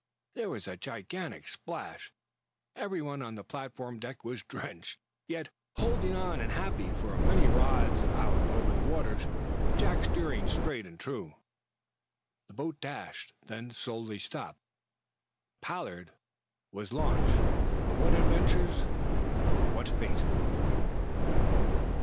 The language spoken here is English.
There was a gigantic splash. Everyone on the platform deck was, drenched, yet holding on and happy. For many rods out over the waters, Jack steering straight and true, the boat dashed, then slowly stopped. The "Pollard" was launched for what adventures, what fate?